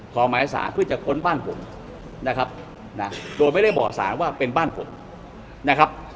ขอหมายสารเพื่อจะค้นบ้านผมนะครับนะโดยไม่ได้บอกสารว่าเป็นบ้านผมนะครับ